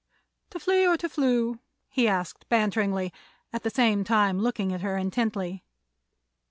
"To flee or to flew?" he asked, banteringly, at the same time looking at her intently.